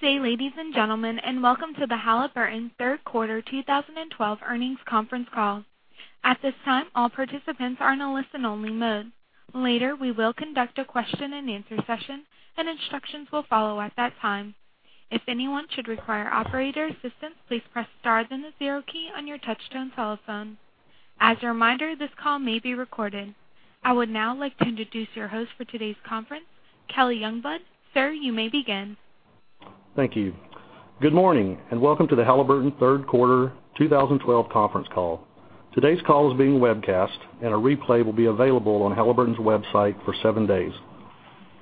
Good day, ladies and gentlemen, welcome to the Halliburton third quarter 2012 earnings conference call. At this time, all participants are in a listen-only mode. Later, we will conduct a question-and-answer session, instructions will follow at that time. If anyone should require operator assistance, please press star then the zero key on your touchtone telephone. As a reminder, this call may be recorded. I would now like to introduce your host for today's conference, Kelly Youngblood. Sir, you may begin. Thank you. Good morning, welcome to the Halliburton third quarter 2012 conference call. Today's call is being webcast, a replay will be available on Halliburton's website for seven days.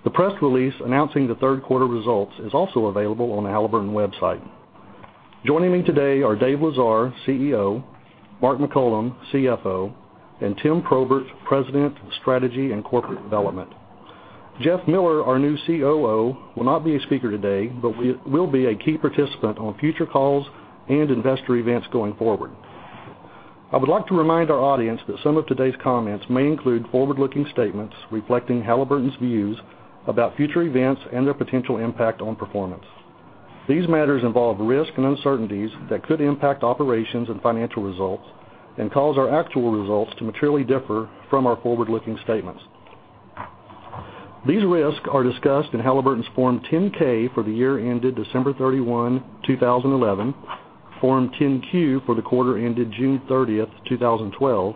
The press release announcing the third quarter results is also available on the Halliburton website. Joining me today are Dave Lesar, CEO; Mark McCollum, CFO; Tim Probert, President, Strategy and Corporate Development. Jeff Miller, our new COO, will not be a speaker today, will be a key participant on future calls and investor events going forward. I would like to remind our audience that some of today's comments may include forward-looking statements reflecting Halliburton's views about future events and their potential impact on performance. These matters involve risks and uncertainties that could impact operations and financial results and cause our actual results to materially differ from our forward-looking statements. These risks are discussed in Halliburton's Form 10-K for the year ended December 31, 2011, Form 10-Q for the quarter ended June 30, 2012,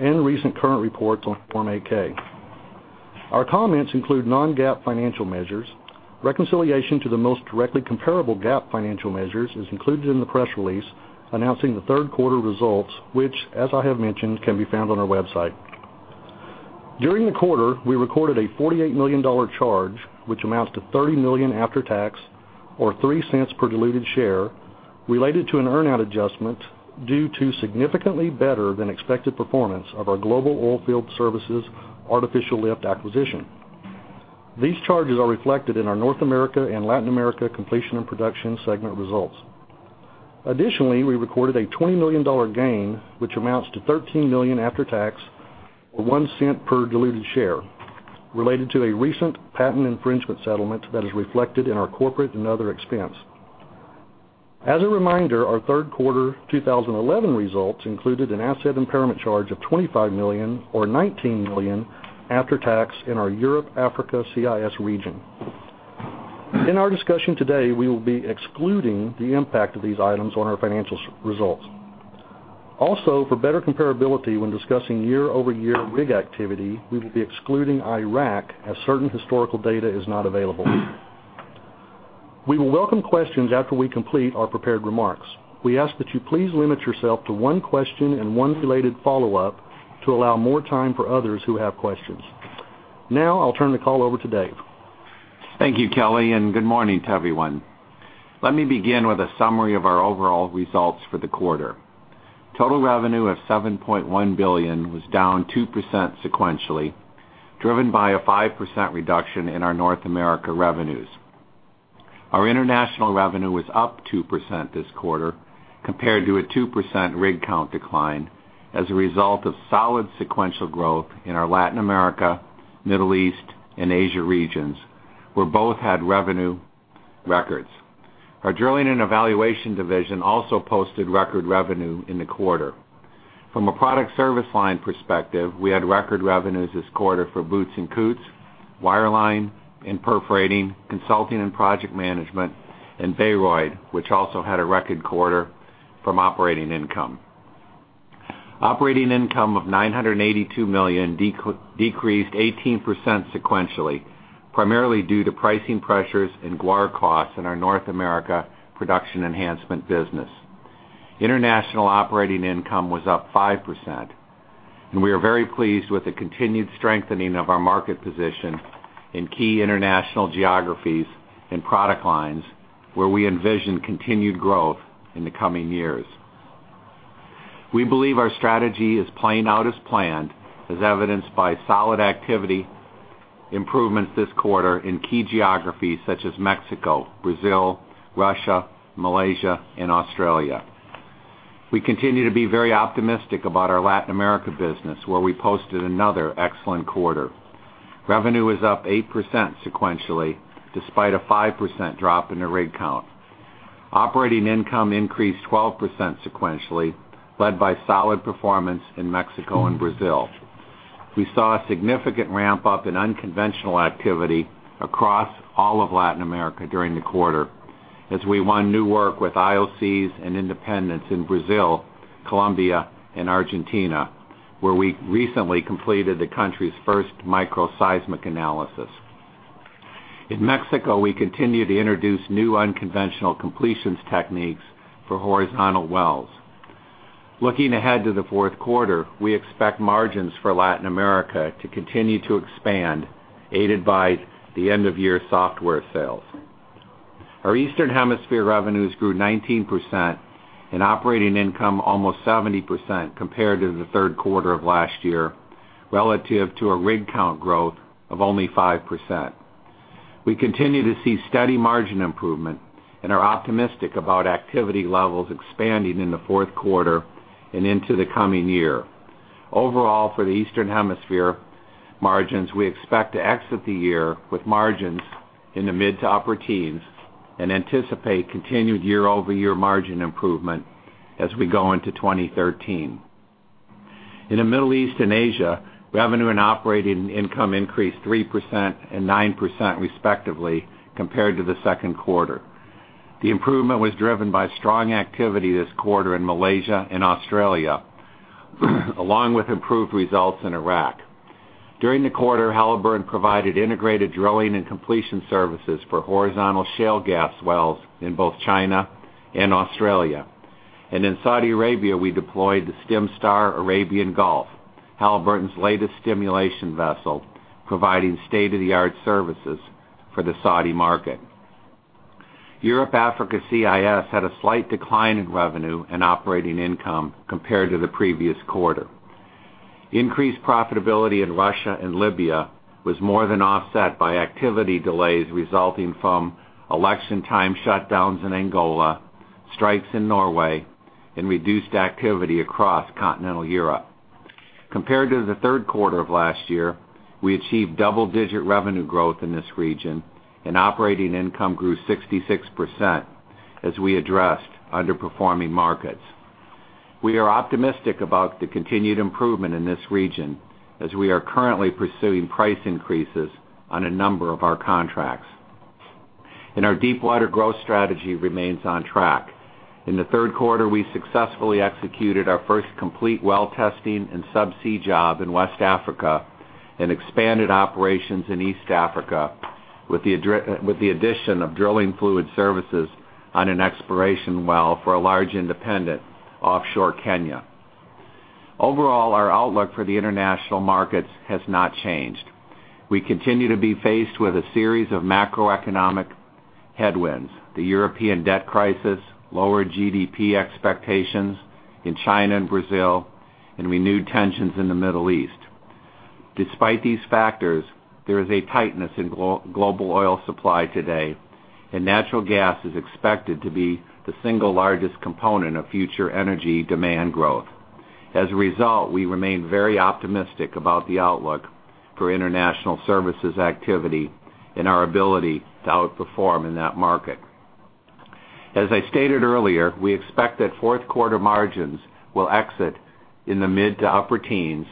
recent current reports on Form 8-K. Our comments include non-GAAP financial measures. Reconciliation to the most directly comparable GAAP financial measures is included in the press release announcing the third quarter results, which as I have mentioned, can be found on our website. During the quarter, we recorded a $48 million charge, which amounts to $30 million after tax or $0.03 per diluted share related to an earn-out adjustment due to significantly better than expected performance of our global oilfield services artificial lift acquisition. These charges are reflected in our North America and Latin America Completion and Production segment results. We recorded a $20 million gain, which amounts to $13 million after tax or $0.01 per diluted share related to a recent patent infringement settlement that is reflected in our Corporate and Other Expense. Our third quarter 2011 results included an asset impairment charge of $25 million or $19 million after tax in our Europe, Africa, CIS region. We will be excluding the impact of these items on our financial results. For better comparability when discussing year-over-year rig activity, we will be excluding Iraq, as certain historical data is not available. We will welcome questions after we complete our prepared remarks. We ask that you please limit yourself to one question and one related follow-up to allow more time for others who have questions. I'll turn the call over to Dave. Thank you, Kelly, and good morning to everyone. Let me begin with a summary of our overall results for the quarter. Total revenue of $7.1 billion was down 2% sequentially, driven by a 5% reduction in our North America revenues. Our international revenue was up 2% this quarter compared to a 2% rig count decline as a result of solid sequential growth in our Latin America, Middle East, and Asia regions, where both had revenue records. Our Drilling and Evaluation division also posted record revenue in the quarter. From a product service line perspective, we had record revenues this quarter for Boots & Coots, Wireline and Perforating, Consulting and Project Management, and Baroid, which also had a record quarter from operating income. Operating income of $982 million decreased 18% sequentially, primarily due to pricing pressures and guar costs in our North America production enhancement business. International operating income was up 5%. We are very pleased with the continued strengthening of our market position in key international geographies and product lines where we envision continued growth in the coming years. We believe our strategy is playing out as planned, as evidenced by solid activity improvements this quarter in key geographies such as Mexico, Brazil, Russia, Malaysia, and Australia. We continue to be very optimistic about our Latin America business, where we posted another excellent quarter. Revenue was up 8% sequentially, despite a 5% drop in the rig count. Operating income increased 12% sequentially, led by solid performance in Mexico and Brazil. We saw a significant ramp-up in unconventional activity across all of Latin America during the quarter as we won new work with IOCs and independents in Brazil, Colombia, and Argentina, where we recently completed the country's first microseismic analysis. In Mexico, we continue to introduce new unconventional completions techniques for horizontal wells. Looking ahead to the fourth quarter, we expect margins for Latin America to continue to expand, aided by the end-of-year software sales. Our Eastern Hemisphere revenues grew 19% and operating income almost 70% compared to the third quarter of last year, relative to a rig count growth of only 5%. We continue to see steady margin improvement and are optimistic about activity levels expanding in the fourth quarter and into the coming year. Overall, for the Eastern Hemisphere margins, we expect to exit the year with margins in the mid to upper teens and anticipate continued year-over-year margin improvement as we go into 2013. In the Middle East and Asia, revenue and operating income increased 3% and 9% respectively compared to the second quarter. The improvement was driven by strong activity this quarter in Malaysia and Australia, along with improved results in Iraq. During the quarter, Halliburton provided integrated drilling and completion services for horizontal shale gas wells in both China and Australia. In Saudi Arabia, we deployed the StimStar Arabian Gulf, Halliburton's latest stimulation vessel, providing state-of-the-art services for the Saudi market. Europe Africa CIS had a slight decline in revenue and operating income compared to the previous quarter. Increased profitability in Russia and Libya was more than offset by activity delays resulting from election time shutdowns in Angola, strikes in Norway, and reduced activity across continental Europe. Compared to the third quarter of last year, we achieved double-digit revenue growth in this region, and operating income grew 66% as we addressed underperforming markets. We are optimistic about the continued improvement in this region, as we are currently pursuing price increases on a number of our contracts. Our deepwater growth strategy remains on track. In the third quarter, we successfully executed our first complete well testing and subsea job in West Africa and expanded operations in East Africa with the addition of drilling fluid services on an exploration well for a large independent offshore Kenya. Overall, our outlook for the international markets has not changed. We continue to be faced with a series of macroeconomic headwinds, the European debt crisis, lower GDP expectations in China and Brazil, and renewed tensions in the Middle East. Despite these factors, there is a tightness in global oil supply today, and natural gas is expected to be the single largest component of future energy demand growth. We remain very optimistic about the outlook for international services activity and our ability to outperform in that market. We expect that fourth quarter margins will exit in the mid to upper teens,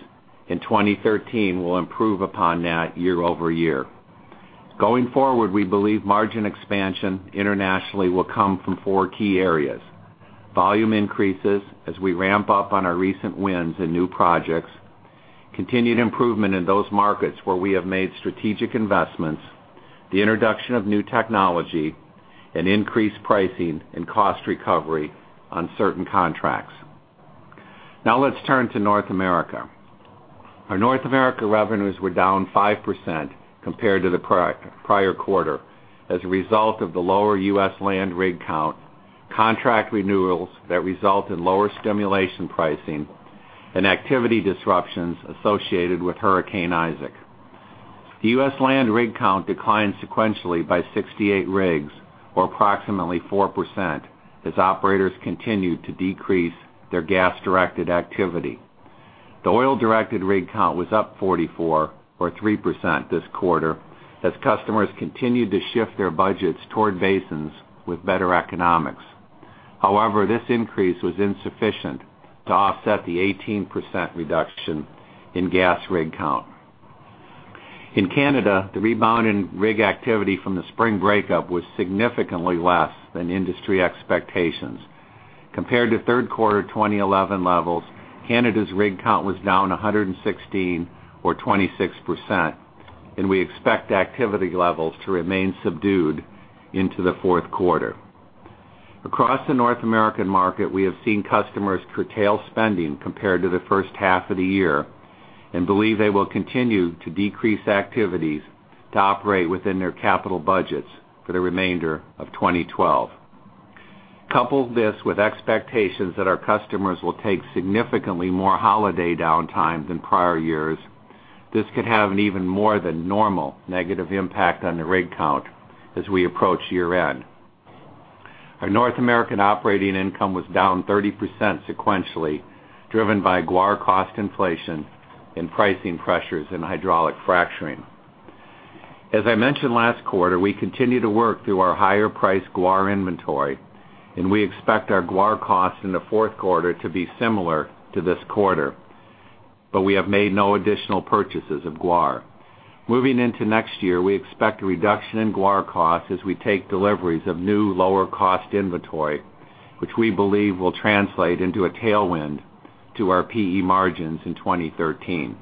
and 2013 will improve upon that year-over-year. Going forward, we believe margin expansion internationally will come from four key areas. Volume increases as we ramp up on our recent wins and new projects, continued improvement in those markets where we have made strategic investments, the introduction of new technology, and increased pricing and cost recovery on certain contracts. Let's turn to North America. Our North America revenues were down 5% compared to the prior quarter as a result of the lower U.S. land rig count, contract renewals that result in lower stimulation pricing, and activity disruptions associated with Hurricane Isaac. The U.S. land rig count declined sequentially by 68 rigs or approximately 4% as operators continued to decrease their gas-directed activity. The oil-directed rig count was up 44 or 3% this quarter as customers continued to shift their budgets toward basins with better economics. This increase was insufficient to offset the 18% reduction in gas rig count. In Canada, the rebound in rig activity from the spring breakup was significantly less than industry expectations. Compared to third quarter 2011 levels, Canada's rig count was down 116 or 26%, and we expect activity levels to remain subdued into the fourth quarter. Across the North American market, we have seen customers curtail spending compared to the first half of the year and believe they will continue to decrease activities to operate within their capital budgets for the remainder of 2012. Couple this with expectations that our customers will take significantly more holiday downtime than prior years, this could have an even more than normal negative impact on the rig count as we approach year-end. Our North American operating income was down 30% sequentially, driven by guar cost inflation and pricing pressures in hydraulic fracturing. We continue to work through our higher-priced guar inventory, and we expect our guar costs in the fourth quarter to be similar to this quarter, but we have made no additional purchases of guar. We expect a reduction in guar costs as we take deliveries of new lower-cost inventory, which we believe will translate into a tailwind to our PE margins in 2013.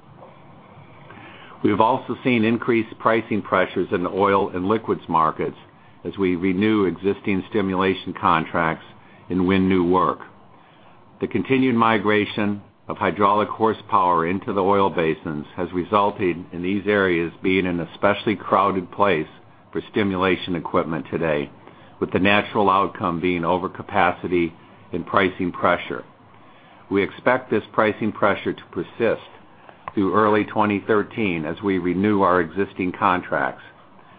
We have also seen increased pricing pressures in the oil and liquids markets as we renew existing stimulation contracts and win new work. The continued migration of hydraulic horsepower into the oil basins has resulted in these areas being an especially crowded place for stimulation equipment today, with the natural outcome being overcapacity and pricing pressure. We expect this pricing pressure to persist through early 2013 as we renew our existing contracts.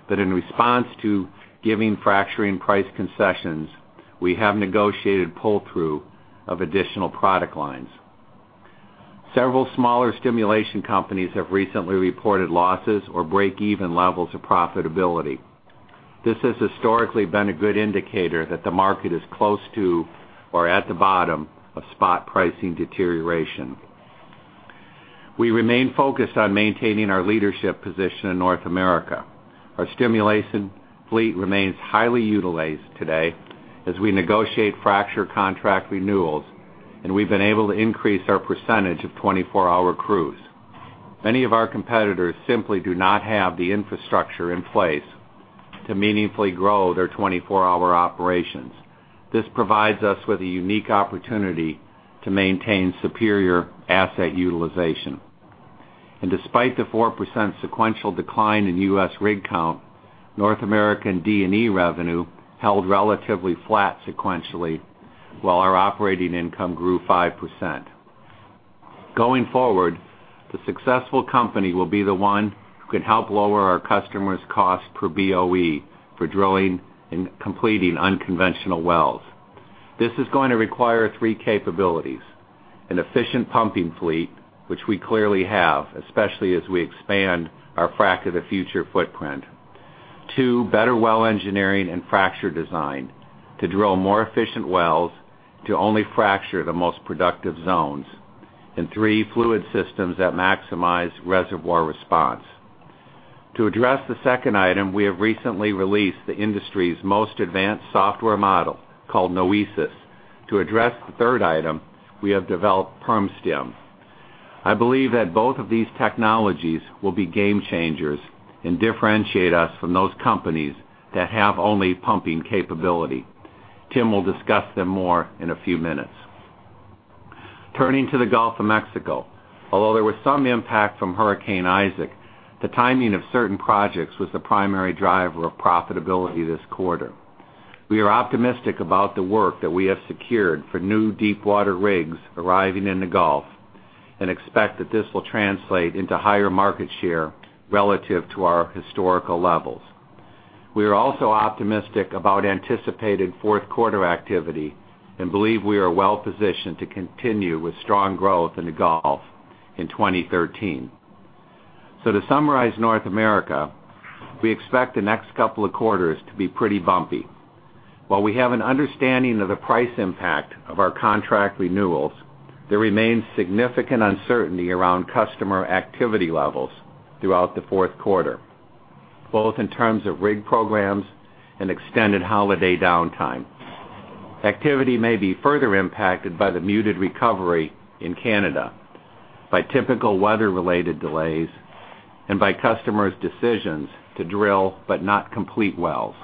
In response to giving fracturing price concessions, we have negotiated pull-through of additional product lines. Several smaller stimulation companies have recently reported losses or break-even levels of profitability. This has historically been a good indicator that the market is close to or at the bottom of spot pricing deterioration. We remain focused on maintaining our leadership position in North America. Our stimulation fleet remains highly utilized today as we negotiate fracture contract renewals, and we've been able to increase our percentage of 24-hour crews. Many of our competitors simply do not have the infrastructure in place to meaningfully grow their 24-hour operations. This provides us with a unique opportunity to maintain superior asset utilization. Despite the 4% sequential decline in U.S. rig count, North American D&E revenue held relatively flat sequentially, while our operating income grew 5%. Going forward, the successful company will be the one who can help lower our customers' cost per BOE for drilling and completing unconventional wells. This is going to require three capabilities: an efficient pumping fleet, which we clearly have, especially as we expand our Frac of the Future footprint. 2, better well engineering and fracture design to drill more efficient wells to only fracture the most productive zones. 3, fluid systems that maximize reservoir response. To address the second item, we have recently released the industry's most advanced software model called Noesis. To address the third item, we have developed PermStim. Tim will discuss them more in a few minutes. Turning to the Gulf of Mexico, although there was some impact from Hurricane Isaac, the timing of certain projects was the primary driver of profitability this quarter. We are optimistic about the work that we have secured for new deepwater rigs arriving in the Gulf and expect that this will translate into higher market share relative to our historical levels. We are also optimistic about anticipated fourth quarter activity and believe we are well-positioned to continue with strong growth in the Gulf in 2013. To summarize North America, we expect the next couple of quarters to be pretty bumpy. While we have an understanding of the price impact of our contract renewals, there remains significant uncertainty around customer activity levels throughout the fourth quarter, both in terms of rig programs and extended holiday downtime. Activity may be further impacted by the muted recovery in Canada, by typical weather-related delays, and by customers' decisions to drill but not complete wells.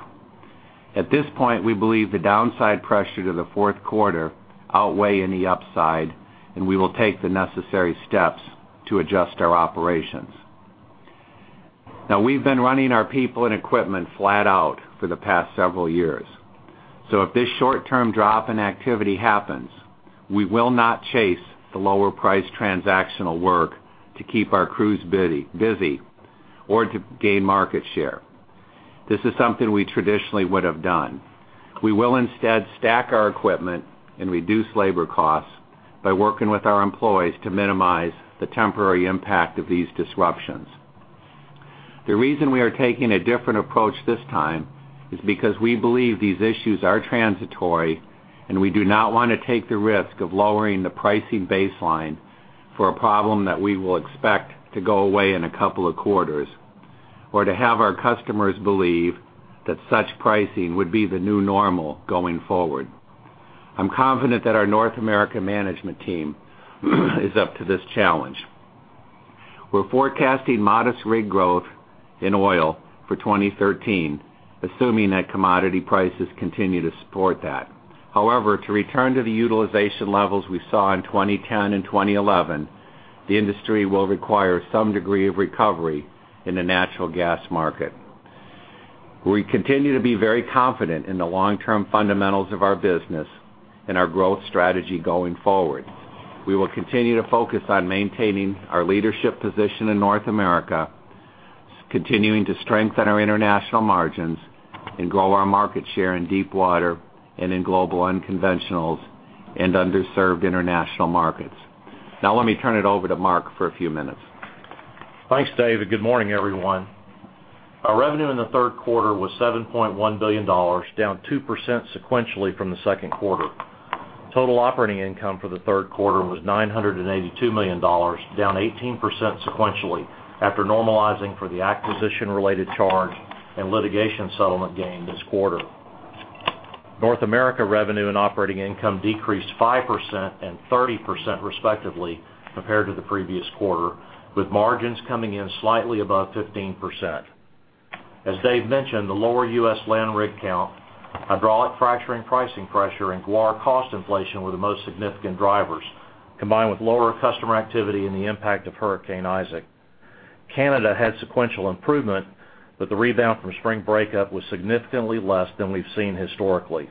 At this point, we believe the downside pressure to the fourth quarter outweigh any upside, and we will take the necessary steps to adjust our operations. Now, we've been running our people and equipment flat out for the past several years. If this short-term drop in activity happens, we will not chase the lower price transactional work to keep our crews busy or to gain market share. This is something we traditionally would have done. We will instead stack our equipment and reduce labor costs by working with our employees to minimize the temporary impact of these disruptions. The reason we are taking a different approach this time is because we believe these issues are transitory, and we do not want to take the risk of lowering the pricing baseline for a problem that we will expect to go away in a couple of quarters or to have our customers believe that such pricing would be the new normal going forward. I'm confident that our North American management team is up to this challenge. We're forecasting modest rig growth in oil for 2013, assuming that commodity prices continue to support that. To return to the utilization levels we saw in 2010 and 2011, the industry will require some degree of recovery in the natural gas market. We continue to be very confident in the long-term fundamentals of our business and our growth strategy going forward. We will continue to focus on maintaining our leadership position in North America, continuing to strengthen our international margins, and grow our market share in deepwater and in global unconventionals and underserved international markets. Let me turn it over to Mark for a few minutes. Thanks, David. Good morning, everyone. Our revenue in the third quarter was $7.1 billion, down 2% sequentially from the second quarter. Total operating income for the third quarter was $982 million, down 18% sequentially after normalizing for the acquisition-related charge and litigation settlement gain this quarter. North America revenue and operating income decreased 5% and 30% respectively compared to the previous quarter, with margins coming in slightly above 15%. As Dave mentioned, the lower U.S. land rig count, hydraulic fracturing pricing pressure, and guar cost inflation were the most significant drivers, combined with lower customer activity and the impact of Hurricane Isaac. Canada had sequential improvement, the rebound from spring breakup was significantly less than we've seen historically.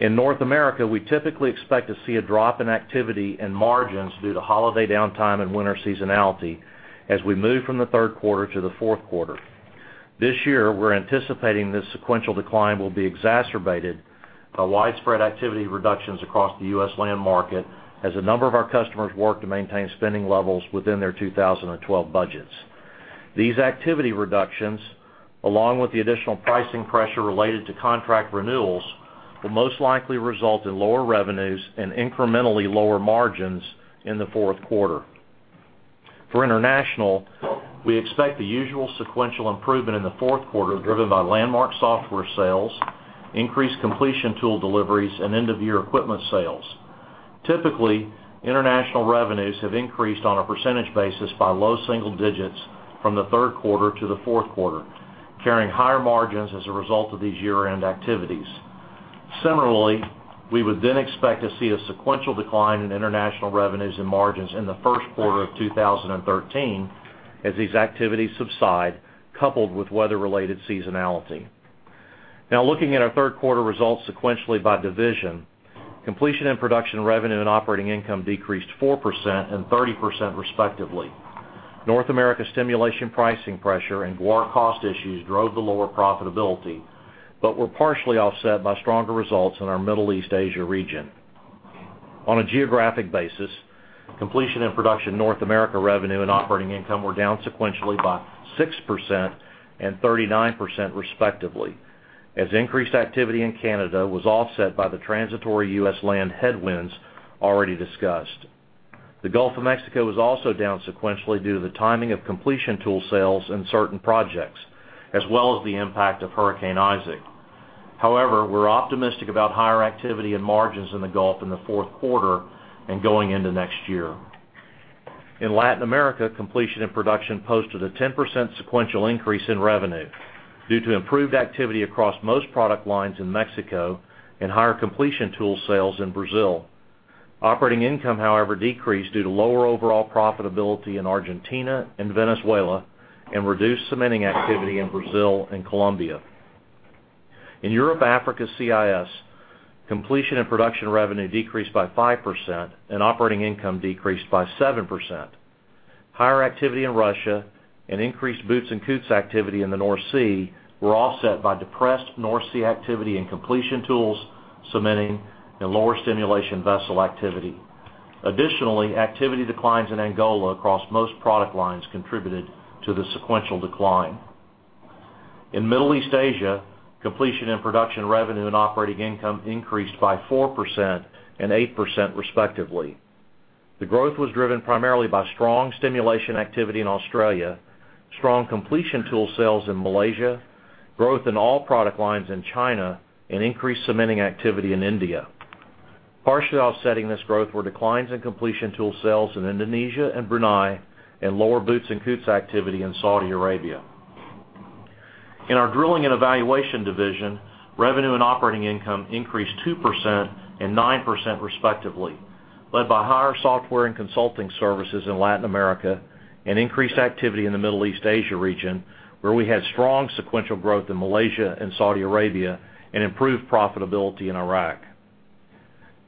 In North America, we typically expect to see a drop in activity and margins due to holiday downtime and winter seasonality as we move from the third quarter to the fourth quarter. This year, we're anticipating this sequential decline will be exacerbated by widespread activity reductions across the U.S. land market as a number of our customers work to maintain spending levels within their 2012 budgets. These activity reductions, along with the additional pricing pressure related to contract renewals, will most likely result in lower revenues and incrementally lower margins in the fourth quarter. For international, we expect the usual sequential improvement in the fourth quarter driven by Landmark software sales, increased Completion Tools deliveries, and end-of-year equipment sales. Typically, international revenues have increased on a percentage basis by low single digits from the third quarter to the fourth quarter, carrying higher margins as a result of these year-end activities. We would expect to see a sequential decline in international revenues and margins in the first quarter of 2013 as these activities subside, coupled with weather-related seasonality. Looking at our third quarter results sequentially by division, Completion and Production revenue and operating income decreased 4% and 30% respectively. North America stimulation pricing pressure and guar cost issues drove the lower profitability, but were partially offset by stronger results in our Middle East-Asia region. On a geographic basis, Completion and Production North America revenue and operating income were down sequentially by 6% and 39% respectively, as increased activity in Canada was offset by the transitory U.S. land headwinds already discussed. The Gulf of Mexico was also down sequentially due to the timing of Completion Tools sales in certain projects, as well as the impact of Hurricane Isaac. We're optimistic about higher activity and margins in the Gulf in the fourth quarter and going into next year. In Latin America, Completion and Production posted a 10% sequential increase in revenue due to improved activity across most product lines in Mexico and higher Completion Tools sales in Brazil. Operating income decreased due to lower overall profitability in Argentina and Venezuela and reduced cementing activity in Brazil and Colombia. In Europe, Africa, CIS, Completion and Production revenue decreased by 5% and operating income decreased by 7%. Higher activity in Russia and increased Boots & Coots activity in the North Sea were offset by depressed North Sea activity and Completion Tools cementing and lower stimulation vessel activity. Activity declines in Angola across most product lines contributed to the sequential decline. In Middle East-Asia, Completion and Production revenue and operating income increased by 4% and 8% respectively. The growth was driven primarily by strong stimulation activity in Australia, strong Completion Tools sales in Malaysia, growth in all product lines in China, and increased cementing activity in India. Partially offsetting this growth were declines in Completion Tools sales in Indonesia and Brunei and lower Boots & Coots activity in Saudi Arabia. In our Drilling and Evaluation division, revenue and operating income increased 2% and 9% respectively, led by higher software and consulting services in Latin America and increased activity in the Middle East-Asia region, where we had strong sequential growth in Malaysia and Saudi Arabia and improved profitability in Iraq.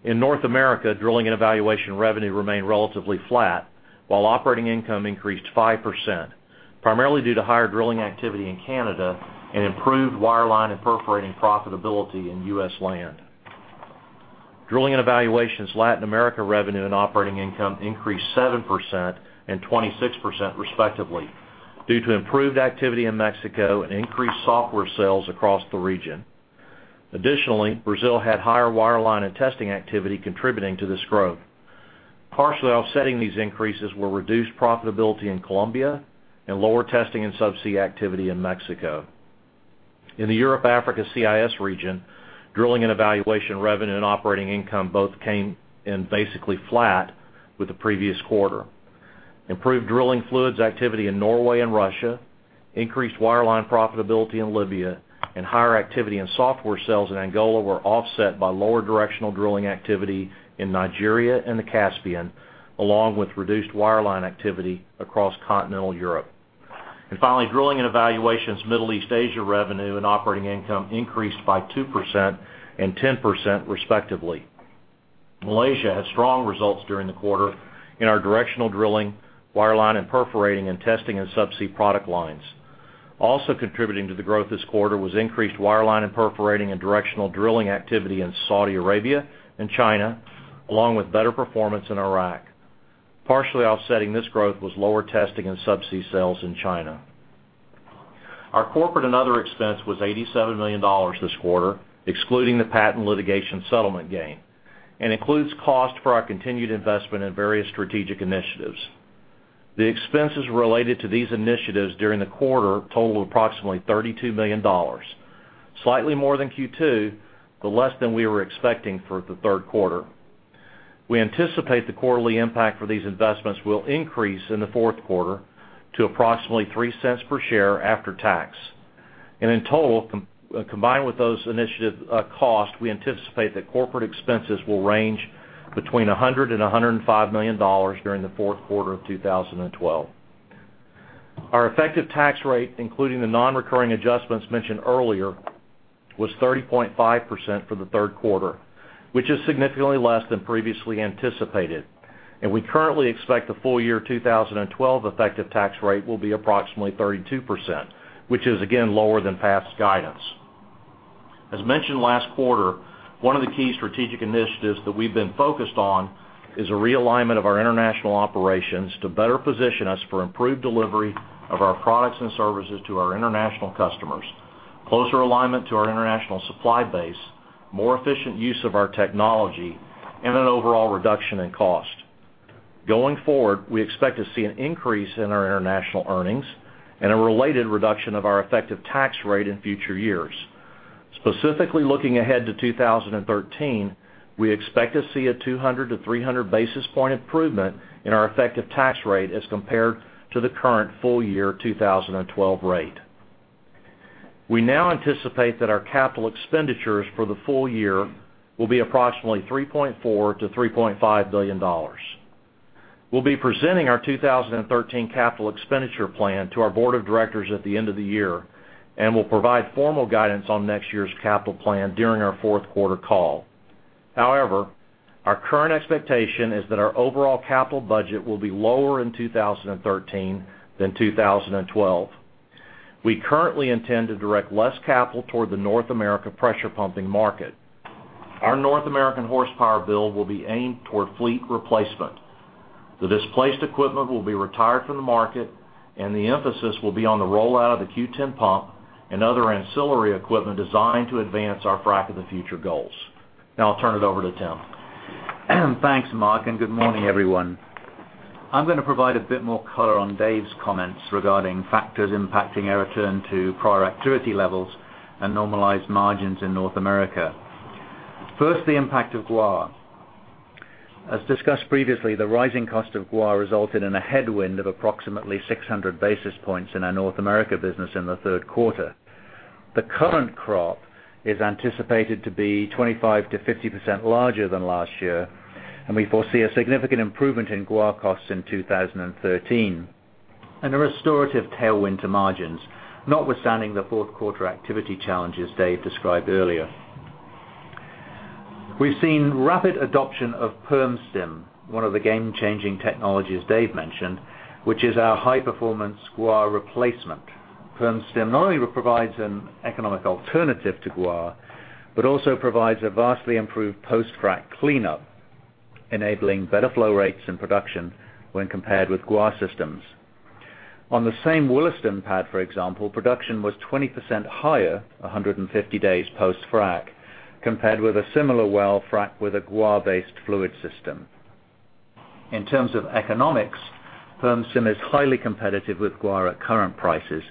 In North America, Drilling and Evaluation revenue remained relatively flat while operating income increased 5%, primarily due to higher drilling activity in Canada and improved Wireline and Perforating profitability in U.S. land. Drilling and Evaluation's Latin America revenue and operating income increased 7% and 26% respectively due to improved activity in Mexico and increased software sales across the region. Brazil had higher Wireline and testing activity contributing to this growth. Partially offsetting these increases were reduced profitability in Colombia and lower testing and subsea activity in Mexico. In the Europe, Africa, CIS region, Drilling and Evaluation revenue and operating income both came in basically flat with the previous quarter. Improved drilling fluids activity in Norway and Russia, increased Wireline profitability in Libya, and higher activity in software sales in Angola were offset by lower directional drilling activity in Nigeria and the Caspian, along with reduced Wireline activity across continental Europe. Finally, Drilling and Evaluation's Middle East-Asia revenue and operating income increased by 2% and 10%, respectively. Malaysia had strong results during the quarter in our directional drilling, Wireline and Perforating and testing and subsea product lines. Also contributing to the growth this quarter was increased Wireline and Perforating and directional drilling activity in Saudi Arabia and China, along with better performance in Iraq. Partially offsetting this growth was lower testing and subsea sales in China. Our corporate and other expense was $87 million this quarter, excluding the patent litigation settlement gain, and includes cost for our continued investment in various strategic initiatives. The expenses related to these initiatives during the quarter totaled approximately $32 million, slightly more than Q2, but less than we were expecting for the third quarter. We anticipate the quarterly impact for these investments will increase in the fourth quarter to approximately $0.03 per share after tax. In total, combined with those initiative costs, we anticipate that corporate expenses will range between $100 million-$105 million during the fourth quarter of 2012. Our effective tax rate, including the non-recurring adjustments mentioned earlier, was 30.5% for the third quarter, which is significantly less than previously anticipated. We currently expect the full year 2012 effective tax rate will be approximately 32%, which is again, lower than past guidance. As mentioned last quarter, one of the key strategic initiatives that we've been focused on is a realignment of our international operations to better position us for improved delivery of our products and services to our international customers, closer alignment to our international supply base, more efficient use of our technology, and an overall reduction in cost. Going forward, we expect to see an increase in our international earnings and a related reduction of our effective tax rate in future years. Specifically looking ahead to 2013, we expect to see a 200- to 300-basis point improvement in our effective tax rate as compared to the current full year 2012 rate. We now anticipate that our capital expenditures for the full year will be approximately $3.4 billion-$3.5 billion. We'll be presenting our 2013 capital expenditure plan to our board of directors at the end of the year, and we'll provide formal guidance on next year's capital plan during our fourth quarter call. However, our current expectation is that our overall capital budget will be lower in 2013 than 2012. We currently intend to direct less capital toward the North America pressure pumping market. Our North American horsepower build will be aimed toward fleet replacement. The displaced equipment will be retired from the market, and the emphasis will be on the rollout of the Q10 pump and other ancillary equipment designed to advance our Frac of the Future goals. Now I'll turn it over to Tim. Thanks, Mark, and good morning, everyone. I'm going to provide a bit more color on Dave's comments regarding factors impacting our return to prior activity levels and normalized margins in North America. First, the impact of guar. As discussed previously, the rising cost of guar resulted in a headwind of approximately 600 basis points in our North America business in the third quarter. The current crop is anticipated to be 25%-50% larger than last year. We foresee a significant improvement in guar costs in 2013 and a restorative tailwind to margins, notwithstanding the fourth quarter activity challenges Dave described earlier. We've seen rapid adoption of PermStim, one of the game-changing technologies Dave mentioned, which is our high-performance guar replacement. PermStim not only provides an economic alternative to guar, but also provides a vastly improved post-frac cleanup, enabling better flow rates and production when compared with guar systems. On the same Williston pad, for example, production was 20% higher 150 days post-frac, compared with a similar well fracked with a guar-based fluid system. In terms of economics, PermStim is highly competitive with guar at current prices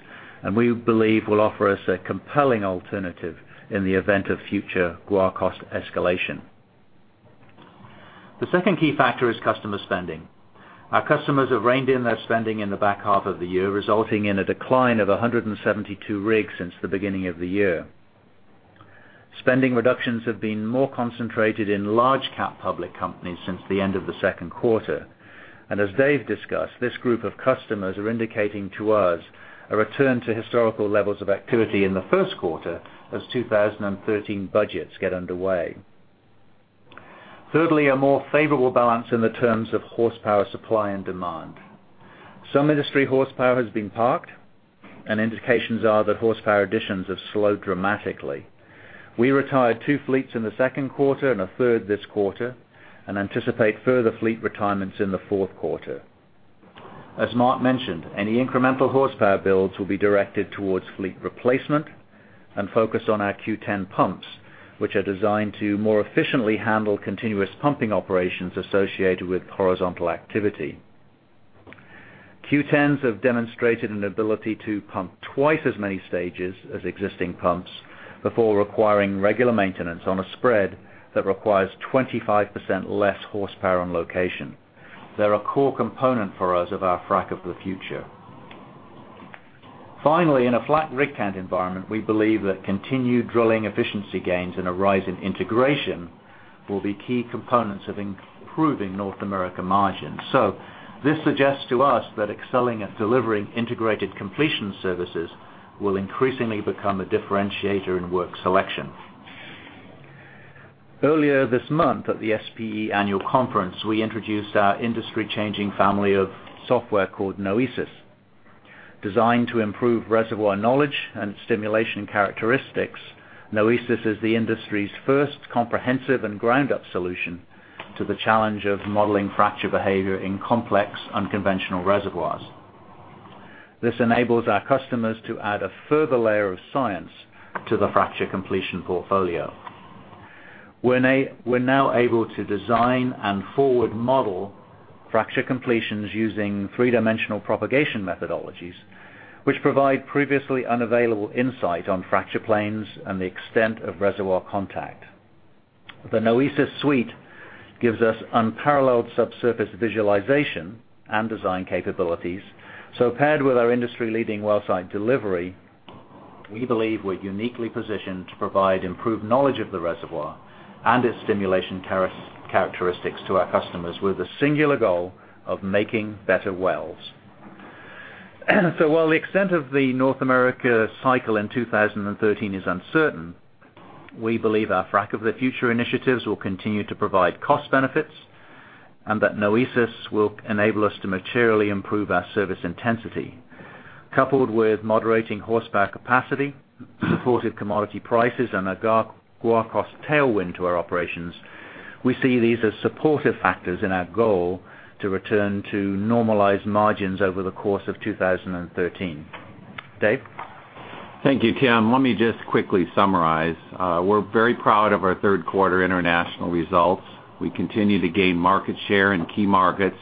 and we believe will offer us a compelling alternative in the event of future guar cost escalation. The second key factor is customer spending. Our customers have reined in their spending in the back half of the year, resulting in a decline of 172 rigs since the beginning of the year. Spending reductions have been more concentrated in large cap public companies since the end of the second quarter. As Dave discussed, this group of customers are indicating to us a return to historical levels of activity in the first quarter as 2013 budgets get underway. Thirdly, a more favorable balance in the terms of horsepower supply and demand. Some industry horsepower has been parked. Indications are that horsepower additions have slowed dramatically. We retired two fleets in the second quarter and a third this quarter. We anticipate further fleet retirements in the fourth quarter. As Mark mentioned, any incremental horsepower builds will be directed towards fleet replacement and focused on our Q10 pumps, which are designed to more efficiently handle continuous pumping operations associated with horizontal activity. Q10s have demonstrated an ability to pump twice as many stages as existing pumps before requiring regular maintenance on a spread that requires 25% less horsepower on location. They're a core component for us of our Frac of the Future. Finally, in a flat rig count environment, we believe that continued drilling efficiency gains and a rise in integration will be key components of improving North America margins. This suggests to us that excelling at delivering integrated completion services will increasingly become a differentiator in work selection. Earlier this month at the SPE annual conference, we introduced our industry-changing family of software called Noesis. Designed to improve reservoir knowledge and stimulation characteristics, Noesis is the industry's first comprehensive and ground-up solution to the challenge of modeling fracture behavior in complex unconventional reservoirs. This enables our customers to add a further layer of science to the fracture completion portfolio. We're now able to design and forward-model fracture completions using three-dimensional propagation methodologies, which provide previously unavailable insight on fracture planes and the extent of reservoir contact. The Noesis suite gives us unparalleled subsurface visualization and design capabilities. Paired with our industry-leading well site delivery We believe we're uniquely positioned to provide improved knowledge of the reservoir and its stimulation characteristics to our customers with the singular goal of making better wells. While the extent of the North America cycle in 2013 is uncertain, we believe our Frac of the Future initiatives will continue to provide cost benefits and that Noesis will enable us to materially improve our service intensity. Coupled with moderating horsepower capacity, supportive commodity prices, and a guar cost tailwind to our operations, we see these as supportive factors in our goal to return to normalized margins over the course of 2013. Dave? Thank you, Tim. Let me just quickly summarize. We're very proud of our third quarter international results. We continue to gain market share in key markets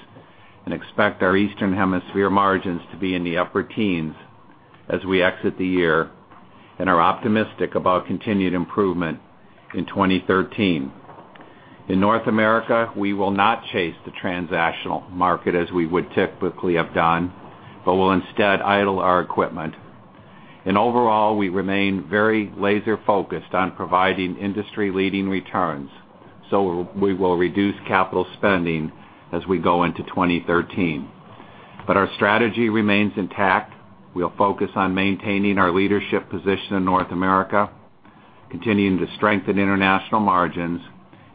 and expect our Eastern Hemisphere margins to be in the upper teens as we exit the year, and are optimistic about continued improvement in 2013. In North America, we will not chase the transactional market as we would typically have done, but will instead idle our equipment. Overall, we remain very laser-focused on providing industry-leading returns. We will reduce capital spending as we go into 2013. Our strategy remains intact. We'll focus on maintaining our leadership position in North America, continuing to strengthen international margins,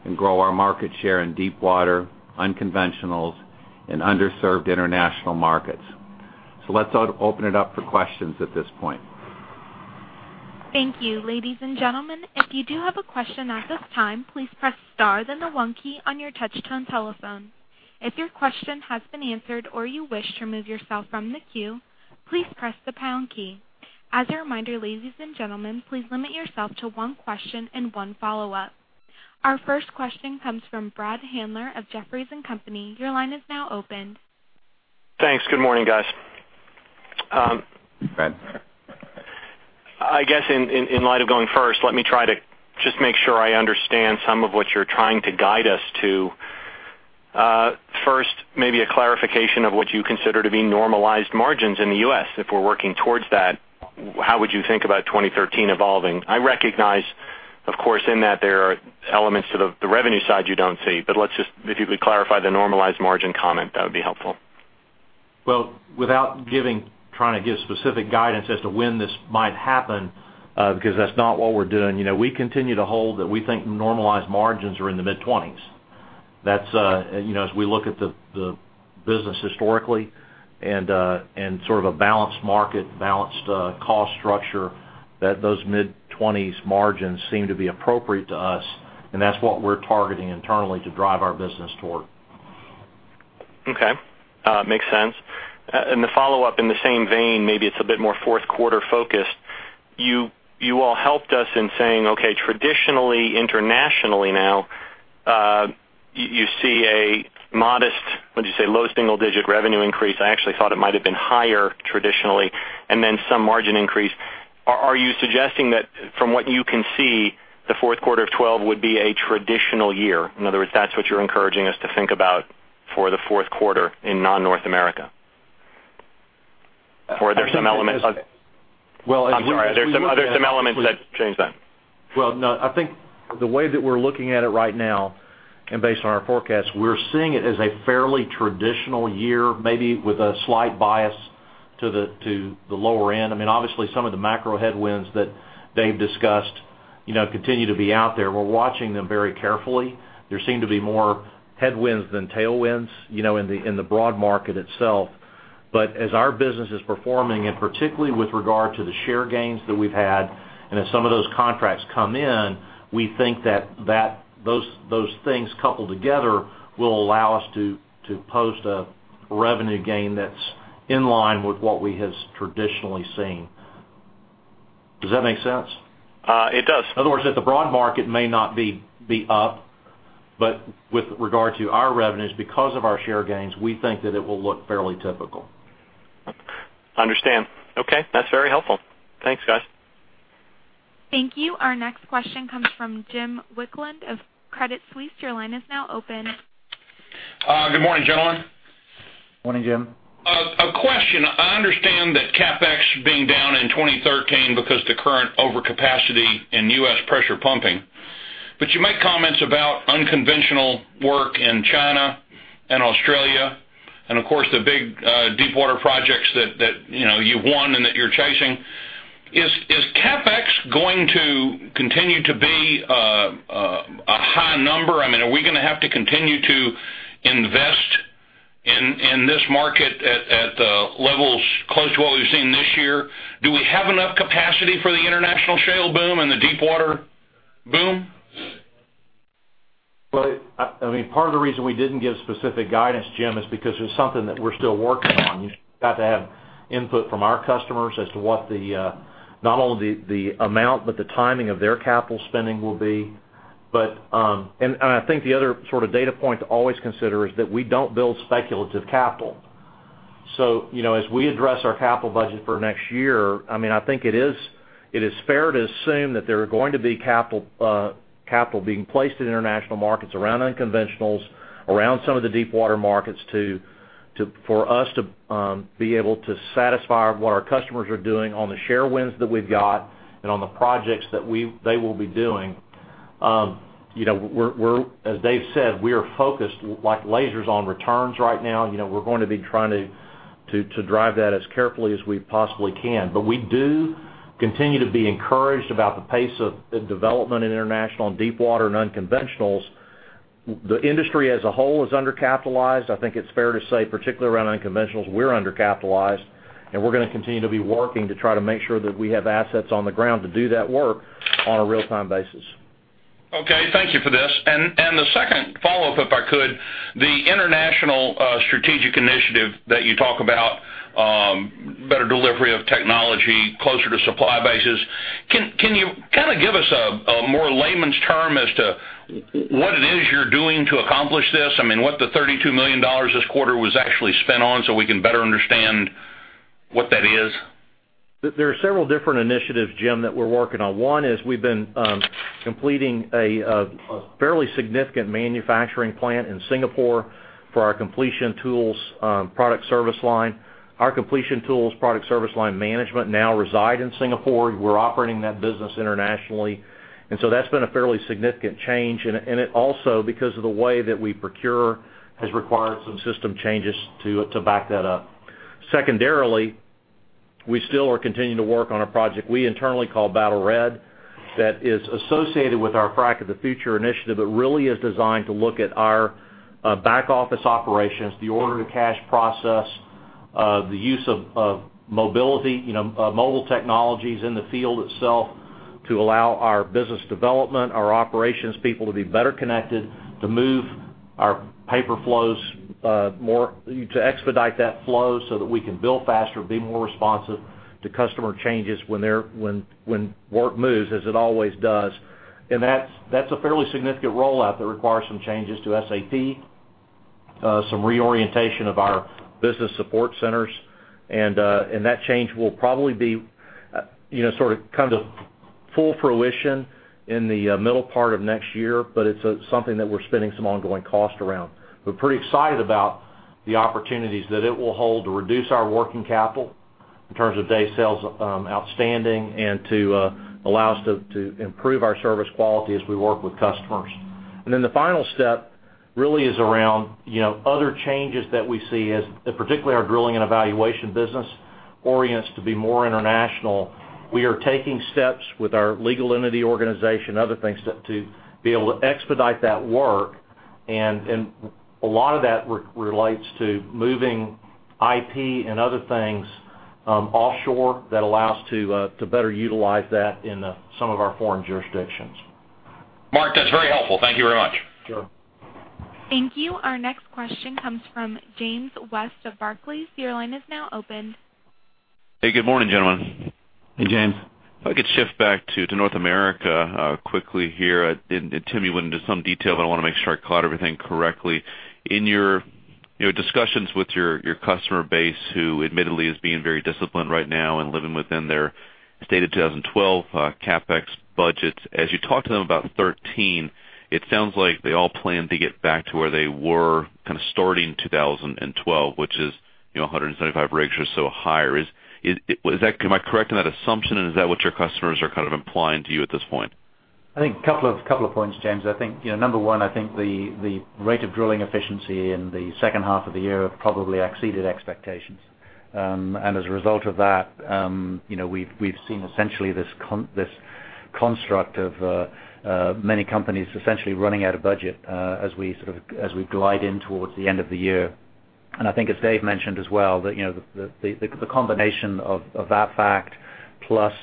and grow our market share in deep water, unconventionals, and underserved international markets. Let's open it up for questions at this point. Thank you. Ladies and gentlemen, if you do have a question at this time, please press star then the one key on your touch-tone telephone. If your question has been answered or you wish to remove yourself from the queue, please press the pound key. As a reminder, ladies and gentlemen, please limit yourself to one question and one follow-up. Our first question comes from Brad Handler of Jefferies & Company. Your line is now open. Thanks. Good morning, guys. Brad. I guess in light of going first, let me try to just make sure I understand some of what you're trying to guide us to. First, maybe a clarification of what you consider to be normalized margins in the U.S. If we're working towards that, how would you think about 2013 evolving? I recognize, of course, in that there are elements to the revenue side you don't see, but if you could clarify the normalized margin comment, that would be helpful. Well, without trying to give specific guidance as to when this might happen, because that's not what we're doing. We continue to hold that we think normalized margins are in the mid-20s. As we look at the business historically and sort of a balanced market, balanced cost structure, those mid-20s margins seem to be appropriate to us, and that's what we're targeting internally to drive our business toward. Okay. Makes sense. The follow-up in the same vein, maybe it's a bit more fourth quarter focused. You all helped us in saying, okay, traditionally, internationally now, you see a modest, what'd you say, low single-digit revenue increase. I actually thought it might have been higher traditionally, then some margin increase. Are you suggesting that from what you can see, the fourth quarter of 2012 would be a traditional year? In other words, that's what you're encouraging us to think about for the fourth quarter in non-North America. Are there some elements that change that? Well, no. I think the way that we're looking at it right now, and based on our forecast, we're seeing it as a fairly traditional year, maybe with a slight bias to the lower end. Obviously, some of the macro headwinds that Dave discussed continue to be out there. We're watching them very carefully. There seem to be more headwinds than tailwinds in the broad market itself. But as our business is performing, and particularly with regard to the share gains that we've had and as some of those contracts come in, we think that those things coupled together will allow us to post a revenue gain that's in line with what we have traditionally seen. Does that make sense? It does. In other words, that the broad market may not be up, but with regard to our revenues, because of our share gains, we think that it will look fairly typical. Understand. Okay. That's very helpful. Thanks, guys. Thank you. Our next question comes from James Wicklund of Credit Suisse. Your line is now open. Good morning, gentlemen. Morning, Jim. A question. I understand that CapEx being down in 2013 because the current overcapacity in U.S. pressure pumping. You make comments about unconventional work in China and Australia and of course, the big deepwater projects that you've won and that you're chasing. Is CapEx going to continue to be a high number? Are we going to have to continue to invest in this market at levels close to what we've seen this year? Do we have enough capacity for the international shale boom and the deepwater boom? Part of the reason we didn't give specific guidance, Jim, is because it's something that we're still working on. You've got to have input from our customers as to what not only the amount, but the timing of their capital spending will be. I think the other sort of data point to always consider is that we don't build speculative capital. As we address our capital budget for next year, I think it is fair to assume that there are going to be capital being placed in international markets around unconventionals, around some of the deepwater markets too. For us to be able to satisfy what our customers are doing on the share wins that we've got and on the projects that they will be doing. As Dave said, we are focused like lasers on returns right now. We're going to be trying to drive that as carefully as we possibly can. We do continue to be encouraged about the pace of development in international and deepwater and unconventionals. The industry as a whole is undercapitalized. I think it's fair to say, particularly around unconventionals, we're undercapitalized, and we're going to continue to be working to try to make sure that we have assets on the ground to do that work on a real-time basis. Okay. Thank you for this. The second follow-up, if I could. The international strategic initiative that you talk about, better delivery of technology, closer to supply bases. Can you give us a more layman's term as to what it is you're doing to accomplish this? What the $32 million this quarter was actually spent on so we can better understand what that is? There are several different initiatives, Jim, that we're working on. One is we've been completing a fairly significant manufacturing plant in Singapore for our Completion Tools product service line. Our Completion Tools product service line management now reside in Singapore. We're operating that business internationally. It also, because of the way that we procure, has required some system changes to back that up. Secondarily, we still are continuing to work on a project we internally call Battle Red, that is associated with our Frac of the Future initiative, that really is designed to look at our back-office operations, the order-to-cash process, the use of mobility, mobile technologies in the field itself to allow our business development, our operations people to be better connected, to move our paper flows more, to expedite that flow so that we can bill faster, be more responsive to customer changes when work moves as it always does. That's a fairly significant rollout that requires some changes to SAP, some reorientation of our business support centers. That change will probably be kind of full fruition in the middle part of next year, but it's something that we're spending some ongoing cost around. We're pretty excited about the opportunities that it will hold to reduce our working capital in terms of day sales outstanding and to allow us to improve our service quality as we work with customers. The final step really is around other changes that we see as, particularly our Drilling and Evaluation business, orients to be more international. We are taking steps with our legal entity organization, other things, to be able to expedite that work. A lot of that relates to moving IP and other things offshore that allow us to better utilize that in some of our foreign jurisdictions. Mark, that's very helpful. Thank you very much. Sure. Thank you. Our next question comes from James West of Barclays. Your line is now open. Hey, good morning, gentlemen. Hey, James. If I could shift back to North America quickly here. Tim, you went into some detail, but I want to make sure I caught everything correctly. In your discussions with your customer base, who admittedly is being very disciplined right now and living within their stated 2012 CapEx budgets. As you talk to them about 2013, it sounds like they all plan to get back to where they were kind of starting 2012, which is 175 rigs or so higher. Am I correct in that assumption? Is that what your customers are kind of implying to you at this point? I think a couple of points, James. I think number 1, I think the rate of drilling efficiency in the second half of the year probably exceeded expectations. As a result of that, we've seen essentially this construct of many companies essentially running out of budget as we glide in towards the end of the year. I think as Dave mentioned as well, the combination of that fact plus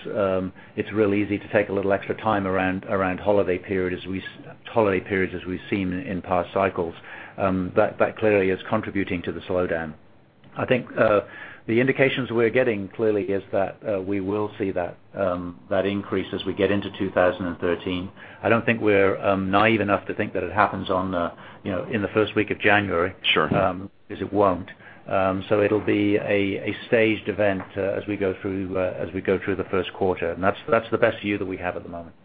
it's real easy to take a little extra time around holiday periods as we've seen in past cycles. That clearly is contributing to the slowdown. I think the indications we're getting clearly is that we will see that increase as we get into 2013. I don't think we're naive enough to think that it happens in the first week of January. Sure. It won't. It'll be a staged event as we go through the first quarter. That's the best view that we have at the moment.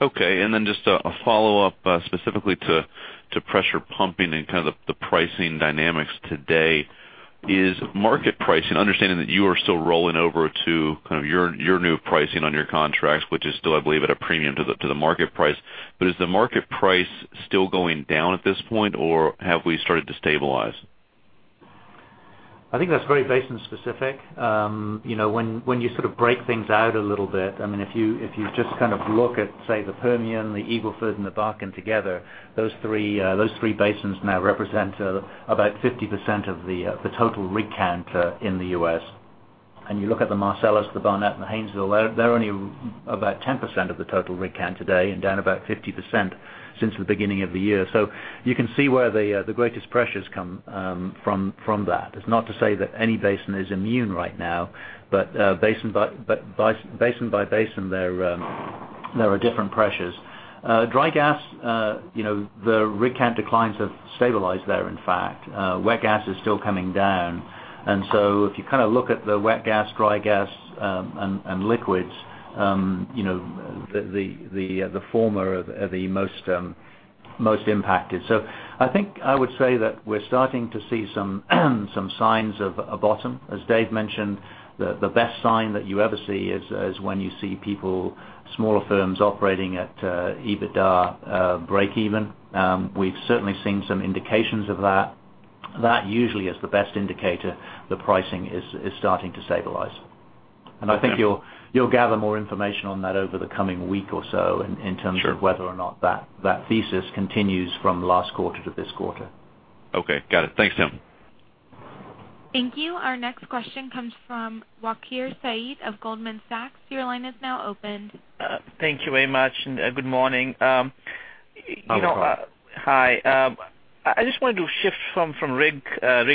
Okay. Just a follow-up specifically to pressure pumping and kind of the pricing dynamics today. Is market pricing, understanding that you are still rolling over to kind of your new pricing on your contracts, which is still, I believe, at a premium to the market price. Is the market price still going down at this point, or have we started to stabilize? I think that's very basin specific. When you sort of break things out a little bit, if you just kind of look at, say, the Permian, the Eagle Ford, and the Bakken together, those three basins now represent about 50% of the total rig count in the U.S. You look at the Marcellus, the Barnett, and the Haynesville, they're only about 10% of the total rig count today and down about 50% since the beginning of the year. You can see where the greatest pressures come from that. It's not to say that any basin is immune right now, but basin by basin, there are different pressures. Dry gas, the rig count declines have stabilized there, in fact. Wet gas is still coming down. If you look at the wet gas, dry gas, and liquids, the former are the most impacted. I think I would say that we're starting to see some signs of a bottom. As Dave mentioned, the best sign that you ever see is when you see people, smaller firms operating at EBITDA breakeven. We've certainly seen some indications of that. That usually is the best indicator the pricing is starting to stabilize. Okay. I think you'll gather more information on that over the coming week or so in terms. Sure Of whether or not that thesis continues from last quarter to this quarter. Okay, got it. Thanks, Tim. Thank you. Our next question comes from Waqar Syed of Goldman Sachs. Your line is now open. Thank you very much, good morning. Hello. Hi. I just wanted to shift from rig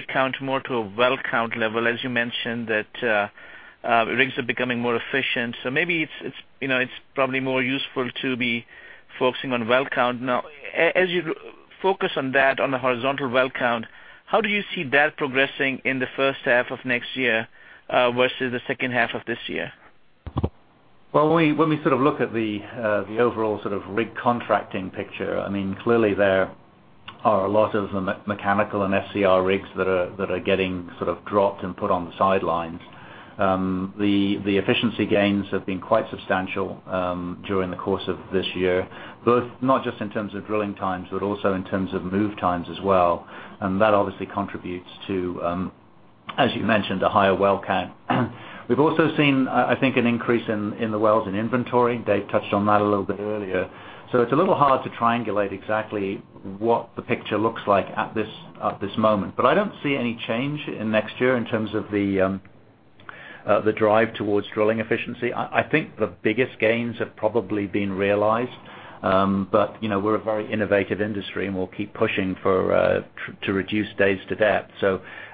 count more to a well count level. As you mentioned that rigs are becoming more efficient, maybe it's probably more useful to be focusing on well count now. As you focus on that, on the horizontal well count, how do you see that progressing in the first half of next year, versus the second half of this year? Well, when we sort of look at the overall sort of rig contracting picture, clearly there are a lot of the mechanical and SCR rigs that are getting sort of dropped and put on the sidelines. The efficiency gains have been quite substantial during the course of this year, both not just in terms of drilling times, but also in terms of move times as well. That obviously contributes to, as you mentioned, a higher well count. We've also seen, I think, an increase in the wells in inventory. Dave touched on that a little bit earlier. It's a little hard to triangulate exactly what the picture looks like at this moment. I don't see any change in next year in terms of the drive towards drilling efficiency. I think the biggest gains have probably been realized. We're a very innovative industry, we'll keep pushing to reduce days to depth.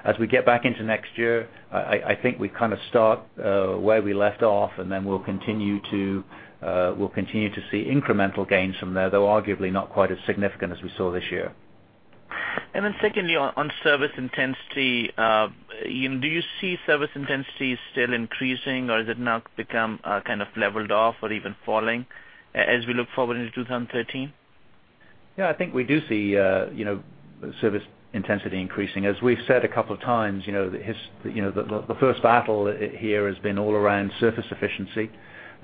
As we get back into next year, I think we kind of start where we left off, then we'll continue to see incremental gains from there, though arguably not quite as significant as we saw this year. Secondly, on service intensity, do you see service intensity still increasing or has it now become kind of leveled off or even falling as we look forward into 2013? Yeah, I think we do see service intensity increasing. As we've said a couple of times, the first battle here has been all around surface efficiency.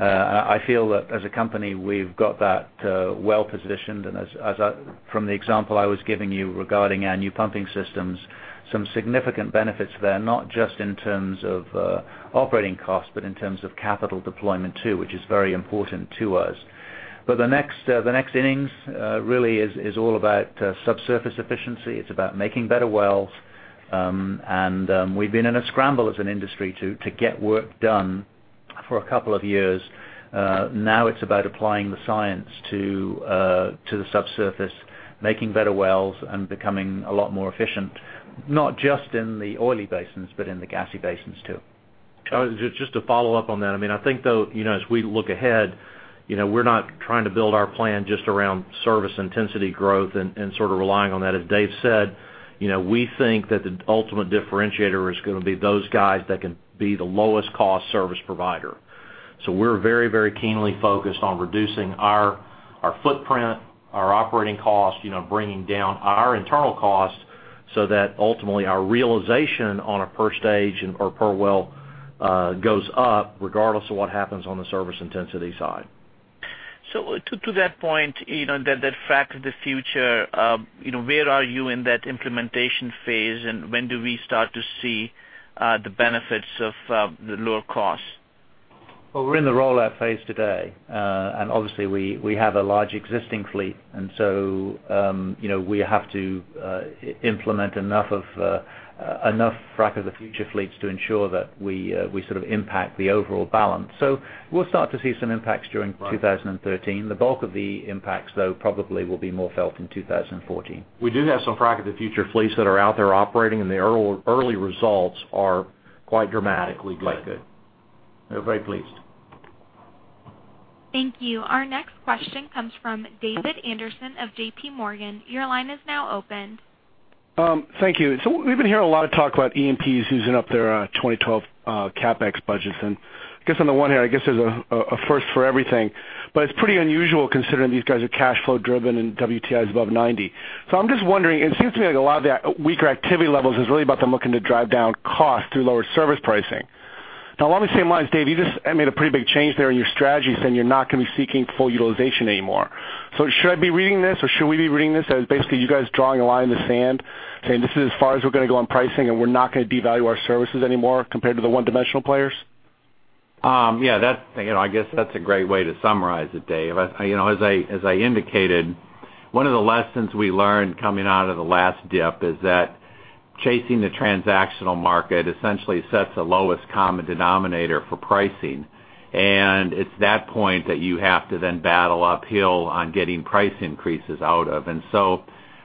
I feel that as a company, we've got that well positioned, and from the example I was giving you regarding our new pumping systems, some significant benefits there, not just in terms of operating costs, but in terms of capital deployment too, which is very important to us. The next innings really is all about subsurface efficiency. It's about making better wells. We've been in a scramble as an industry to get work done for a couple of years. Now it's about applying the science to the subsurface, making better wells, and becoming a lot more efficient, not just in the oily basins, but in the gassy basins, too. Just to follow up on that, I think though, as we look ahead, we're not trying to build our plan just around service intensity growth and sort of relying on that. As Dave said, we think that the ultimate differentiator is going to be those guys that can be the lowest cost service provider. We're very keenly focused on reducing our footprint, our operating cost, bringing down our internal costs so that ultimately our realization on a per stage and/or per well goes up regardless of what happens on the service intensity side. To that point, that Frac of the Future, where are you in that implementation phase, and when do we start to see the benefits of the lower cost? Well, we're in the rollout phase today. Obviously we have a large existing fleet, so we have to implement enough Frac of the Future fleets to ensure that we sort of impact the overall balance. We'll start to see some impacts during 2013. The bulk of the impacts, though, probably will be more felt in 2014. We do have some Frac of the Future fleets that are out there operating, the early results are quite dramatically good. Quite good. We're very pleased. Thank you. Our next question comes from David Anderson of JPMorgan. Your line is now open. Thank you. We've been hearing a lot of talk about E&Ps using up their 2012 CapEx budgets. I guess on the one hand, I guess there's a first for everything, but it's pretty unusual considering these guys are cash flow driven and WTI is above 90. I'm just wondering, it seems to me like a lot of the weaker activity levels is really about them looking to drive down cost through lower service pricing. Along the same lines, Dave, you just made a pretty big change there in your strategy saying you're not going to be seeking full utilization anymore. Should I be reading this or should we be reading this as basically you guys drawing a line in the sand saying, "This is as far as we're going to go on pricing, and we're not going to devalue our services anymore compared to the one-dimensional players"? Yeah. I guess that's a great way to summarize it, Dave. As I indicated, one of the lessons we learned coming out of the last dip is that chasing the transactional market essentially sets the lowest common denominator for pricing. It's that point that you have to then battle uphill on getting price increases out of.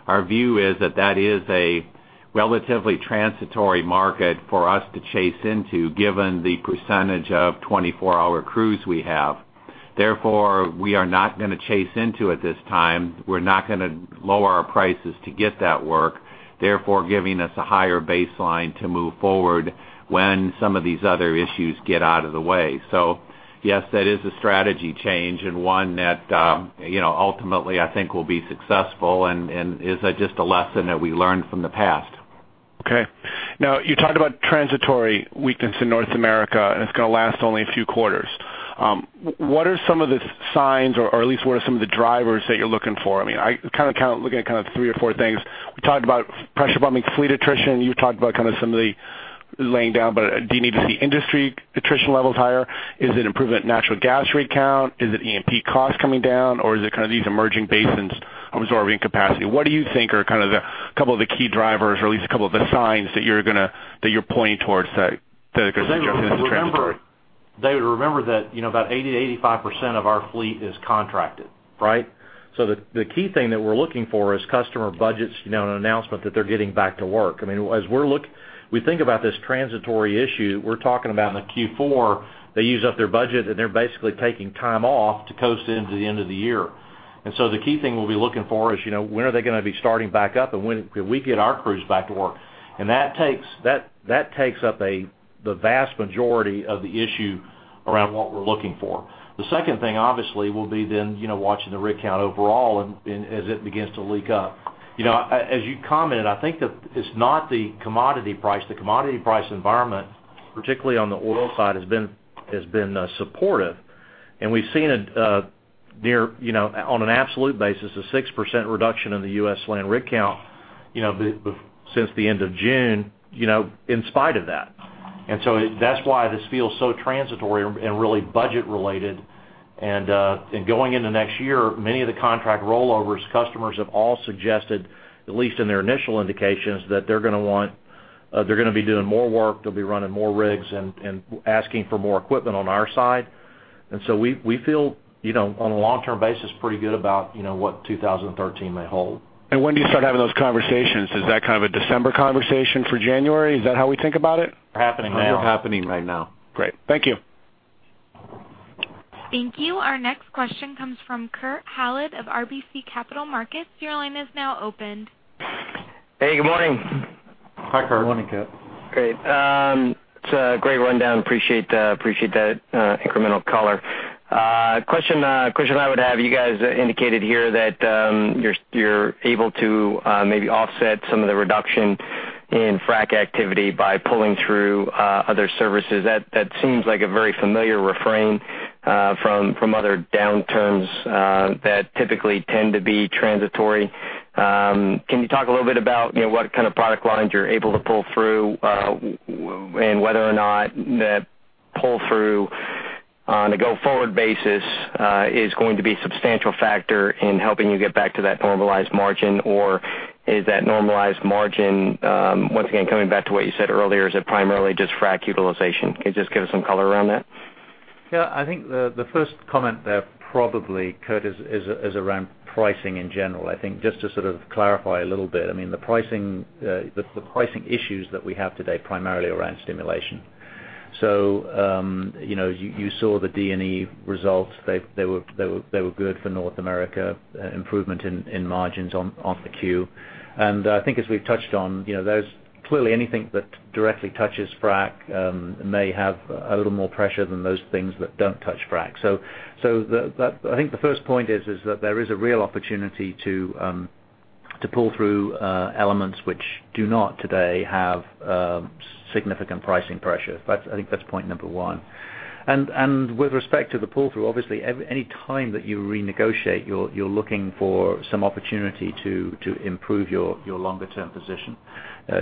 Our view is that that is a relatively transitory market for us to chase into given the percentage of 24-hour crews we have. Therefore, we are not going to chase into it this time. We're not going to lower our prices to get that work, therefore, giving us a higher baseline to move forward when some of these other issues get out of the way. Yes, that is a strategy change and one that ultimately, I think will be successful and is just a lesson that we learned from the past. You talked about transitory weakness in North America, and it's going to last only a few quarters. What are some of the signs or at least what are some of the drivers that you're looking for? I kind of count looking at kind of three or four things. We talked about pressure pumping fleet attrition. You've talked about kind of some of the laying down, do you need to see industry attrition levels higher? Is it improvement in natural gas rig count? Is it E&P cost coming down, or is it kind of these emerging basins absorbing capacity? What do you think are kind of the couple of the key drivers or at least a couple of the signs that you're pointing towards that are going to be transitory? David, remember that about 80%-85% of our fleet is contracted. The key thing that we're looking for is customer budgets and an announcement that they're getting back to work. As we think about this transitory issue, we're talking about in the Q4, they use up their budget, and they're basically taking time off to coast into the end of the year. The key thing we'll be looking for is, when are they going to be starting back up, and when could we get our crews back to work? That takes up the vast majority of the issue around what we're looking for. The second thing, obviously, will be then watching the rig count overall and as it begins to leak up. As you commented, I think that it's not the commodity price. The commodity price environment, particularly on the oil side, has been supportive. We've seen it on an absolute basis, a 6% reduction in the U.S. land rig count since the end of June, in spite of that. That's why this feels so transitory and really budget related. Going into next year, many of the contract rollovers customers have all suggested, at least in their initial indications, that they're going to be doing more work, they'll be running more rigs and asking for more equipment on our side. We feel, on a long-term basis, pretty good about what 2013 may hold. When do you start having those conversations? Is that kind of a December conversation for January? Is that how we think about it? They're happening now. They're happening right now. Great. Thank you. Thank you. Our next question comes from Kurt Hallead of RBC Capital Markets. Your line is now open. Hey, good morning. Hi, Kurt. Good morning, Kurt. Great. It's a great rundown. Appreciate that incremental color. Question I would have, you guys indicated here that you're able to maybe offset some of the reduction in frack activity by pulling through other services. That seems like a very familiar refrain from other downturns that typically tend to be transitory. Can you talk a little bit about what kind of product lines you're able to pull through? And whether or not that pull through on a go-forward basis is going to be a substantial factor in helping you get back to that normalized margin, or is that normalized margin, once again, coming back to what you said earlier, is it primarily just frack utilization? Can you just give us some color around that? Yeah. I think the first comment there probably, Kurt, is around pricing in general. I think just to sort of clarify a little bit, the pricing issues that we have today primarily around stimulation. You saw the D&E results. They were good for North America, improvement in margins on the Q. I think as we've touched on, clearly anything that directly touches frack may have a little more pressure than those things that don't touch frack. I think the first point is that there is a real opportunity to pull through elements which do not today have significant pricing pressure. I think that's point number one. With respect to the pull-through, obviously, any time that you renegotiate, you're looking for some opportunity to improve your longer-term position.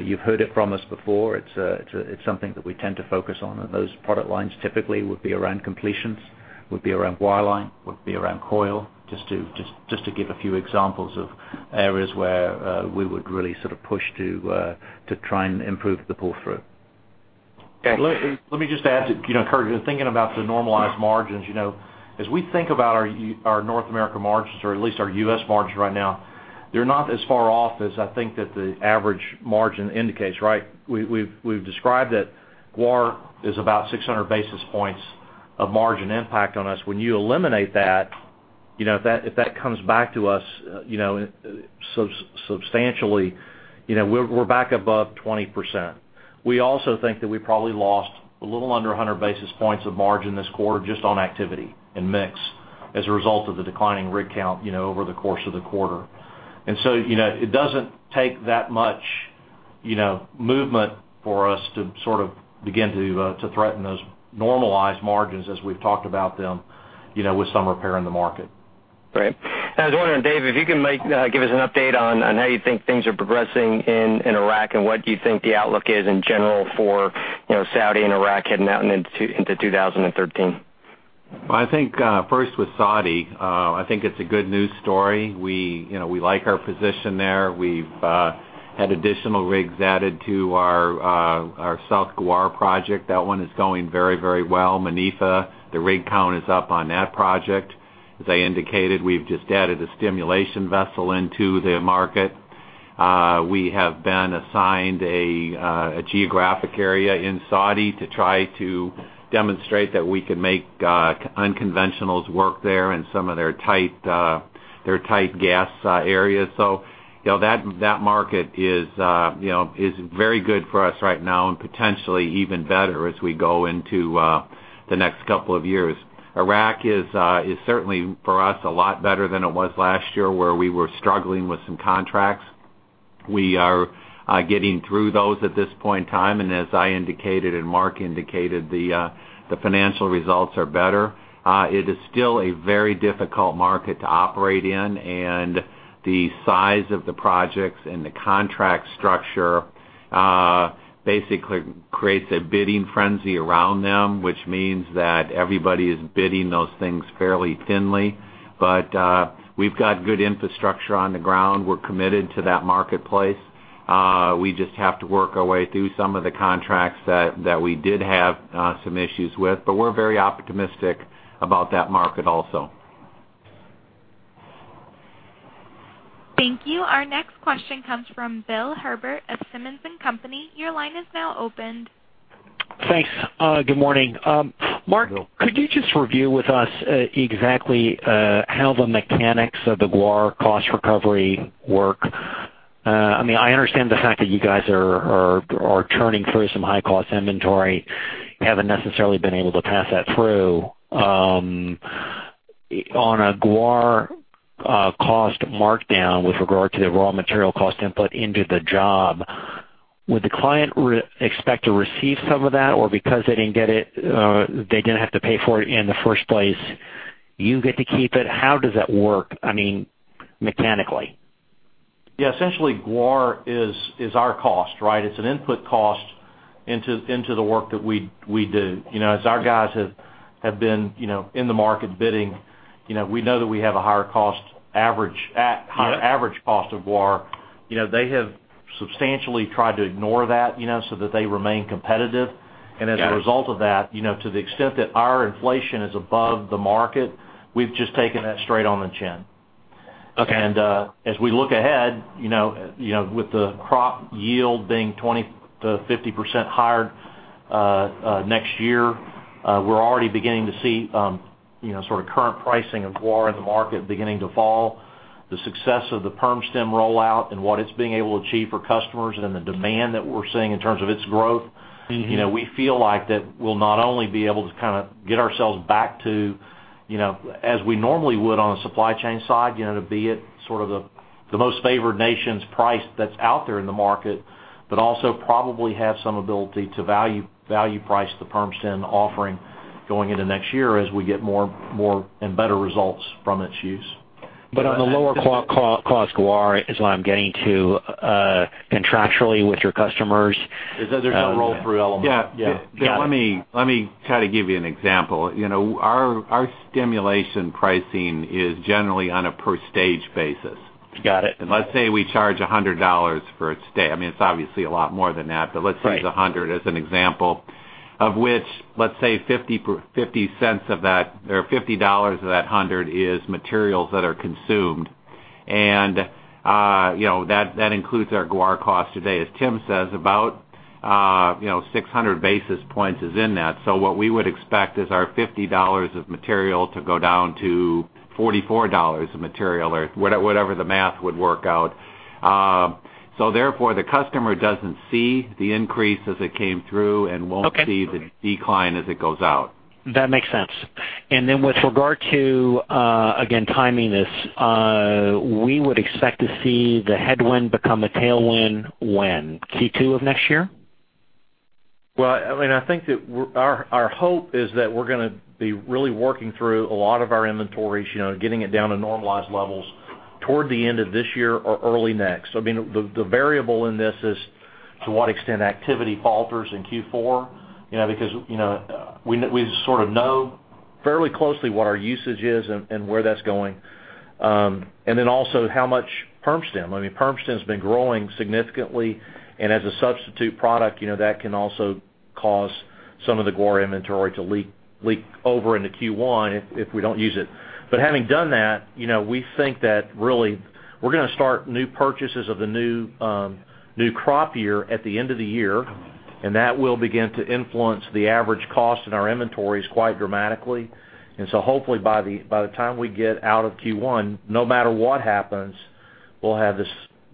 You've heard it from us before. It's something that we tend to focus on. Those product lines typically would be around completions, would be around wireline, would be around coil, just to give a few examples of areas where we would really sort of push to try and improve the pull-through. Okay. Let me just add to, Kurt, thinking about the normalized margins. As we think about our North America margins, or at least our U.S. margins right now, they're not as far off as I think that the average margin indicates. We've described that guar is about 600 basis points of margin impact on us. When you eliminate that, if that comes back to us substantially, we're back above 20%. We also think that we probably lost a little under 100 basis points of margin this quarter just on activity and mix as a result of the declining rig count over the course of the quarter. It doesn't take that much movement for us to sort of begin to threaten those normalized margins as we've talked about them with some repair in the market. Right. I was wondering, Dave, if you can give us an update on how you think things are progressing in Iraq and what you think the outlook is in general for Saudi and Iraq heading out into 2013. Well, I think first with Saudi, I think it's a good news story. We like our position there. We've had additional rigs added to our South Ghawar project. That one is going very, very well. Manifa, the rig count is up on that project. As I indicated, we've just added a stimulation vessel into their market We have been assigned a geographic area in Saudi to try to demonstrate that we can make unconventionals work there in some of their tight gas areas. That market is very good for us right now and potentially even better as we go into the next couple of years. Iraq is certainly, for us, a lot better than it was last year, where we were struggling with some contracts. We are getting through those at this point in time, and as I indicated and Mark indicated, the financial results are better. It is still a very difficult market to operate in, and the size of the projects and the contract structure basically creates a bidding frenzy around them, which means that everybody is bidding those things fairly thinly. We've got good infrastructure on the ground. We're committed to that marketplace. We just have to work our way through some of the contracts that we did have some issues with. We're very optimistic about that market also. Thank you. Our next question comes from Bill Herbert of Simmons & Company. Your line is now open. Thanks. Good morning. Bill. Mark, could you just review with us exactly how the mechanics of the guar cost recovery work? I understand the fact that you guys are churning through some high-cost inventory, haven't necessarily been able to pass that through. On a guar cost markdown with regard to the raw material cost input into the job, would the client expect to receive some of that? Or because they didn't have to pay for it in the first place, you get to keep it? How does that work mechanically? Yeah. Essentially, guar is our cost, right? It's an input cost into the work that we do. As our guys have been in the market bidding, we know that we have a higher average cost of guar. They have substantially tried to ignore that, so that they remain competitive. Got it. As a result of that, to the extent that our inflation is above the market, we've just taken that straight on the chin. Okay. As we look ahead, with the crop yield being 20%-50% higher next year, we're already beginning to see current pricing of guar in the market beginning to fall. The success of the PermStim rollout and what it's been able to achieve for customers and then the demand that we're seeing in terms of its growth. We feel like that we'll not only be able to get ourselves back to as we normally would on a supply chain side, to be at the most favored nations price that's out there in the market, but also probably have some ability to value price the PermStim offering going into next year as we get more and better results from its use. On the lower cost guar is what I'm getting to contractually with your customers. Is that there's no roll-through element. Yeah. Yeah. Got it. Let me try to give you an example. Our stimulation pricing is generally on a per stage basis. Got it. Let's say we charge $100 for it's obviously a lot more than that, but let's use $100 as an example, of which, let's say $50 of that 100 is materials that are consumed. That includes our guar cost today. As Tim says, about 600 basis points is in that. What we would expect is our $50 of material to go down to $44 of material or whatever the math would work out. Therefore, the customer doesn't see the increase as it came through and won't see the decline as it goes out. That makes sense. Then with regard to, again, timing this, we would expect to see the headwind become a tailwind when? Q2 of next year? Well, our hope is that we're going to be really working through a lot of our inventories, getting it down to normalized levels toward the end of this year or early next. The variable in this is to what extent activity falters in Q4. We know fairly closely what our usage is and where that's going. Then also how much PermStim. PermStim's been growing significantly, and as a substitute product, that can also cause some of the guar inventory to leak over into Q1 if we don't use it. Having done that, we think that really, we're going to start new purchases of the new crop year at the end of the year, and that will begin to influence the average cost in our inventories quite dramatically. Hopefully, by the time we get out of Q1, no matter what happens, we'll have this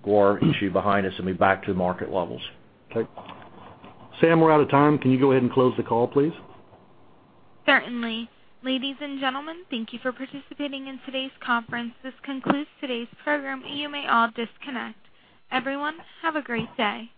guar issue behind us, and be back to market levels. Okay. Sam, we're out of time. Can you go ahead and close the call, please? Certainly. Ladies and gentlemen, thank you for participating in today's conference. This concludes today's program. You may all disconnect. Everyone, have a great day.